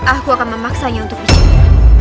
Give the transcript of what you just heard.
aku akan memaksanya untuk mencari